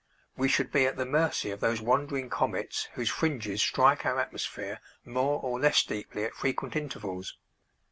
We should be at the mercy of those wandering comets whose fringes strike our atmosphere more or less deeply at frequent intervals.